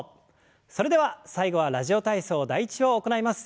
それでは最後は「ラジオ体操第１」を行います。